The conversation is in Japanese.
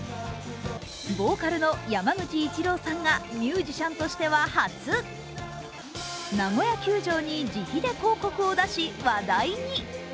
ボーカルの山口一郎さんがミュージシャンとしては初、ナゴヤ球場に自費で広告を出し、話題に。